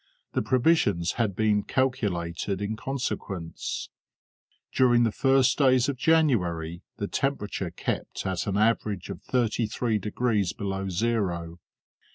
The provisions had been calculated in consequence. During the first days of January the temperature kept at an average of 33 degrees below zero.